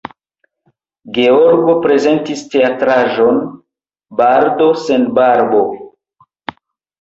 Georgo prezentis teatraĵon "Bardo sen Barbo".